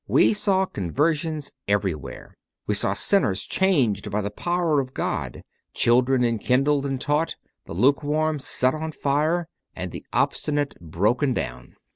We saw conversions everywhere; we saw sinners changed by the power of God, children enkindled and taught, the luke warm set on fire, and the obstinate broken down.